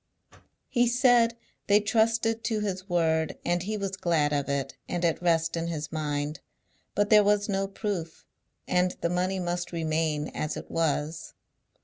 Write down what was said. He said, they trusted to his word, and he was glad of it, and at rest in his mind; but there was no proof, and the money must remain as it was.